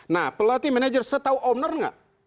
nah pelatih manajer setau owner nggak